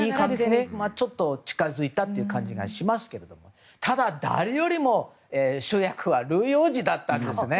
ちょっと近づいたという感じもしますけどただ、誰よりも主役はルイ王子だったんですね。